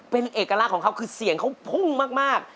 เป็นเอกลักษณ์ของเขาคือเสียงเขาพุ่งมาก